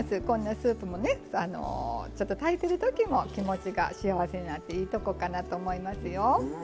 こんなスープもねちょっと炊いてる時も気持ちが幸せになっていいとこかなと思いますよ。